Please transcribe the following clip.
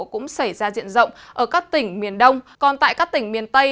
cũng xảy ra diện rộng ở các tỉnh miền đông còn tại các tỉnh miền tây